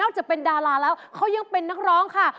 จะเป็นดาราแล้วเขายังเป็นนักร้องค่ะ